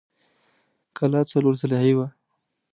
کلا څلور ضلعۍ وه.